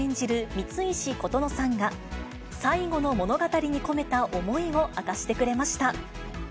三石琴乃さんが、最後の物語に込めた思いを明かしてくれました。